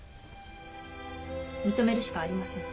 認めるしかありません。